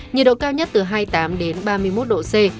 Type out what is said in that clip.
nhiệt độ cao nhất từ hai mươi tám ba mươi một độ c